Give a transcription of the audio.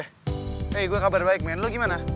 hei gue kabar baik men lo gimana